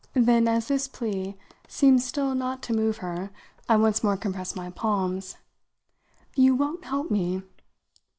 Then as this plea seemed still not to move her, I once more compressed my palms. "You won't help me?"